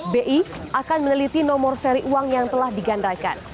bi akan meneliti nomor seri uang yang telah digandaikan